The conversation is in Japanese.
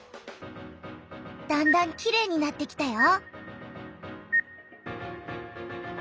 だんだんきれいになってきたよ！